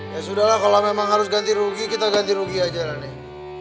ya sudah lah kalau memang harus ganti rugi kita ganti rugi aja lah nih